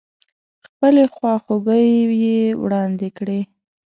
خپلې خواخوږۍ يې واړندې کړې.